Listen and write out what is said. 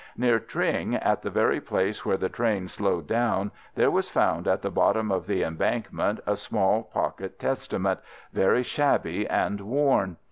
Near Tring, at the very place where the train slowed down, there was found at the bottom of the embankment a small pocket Testament, very shabby and worn.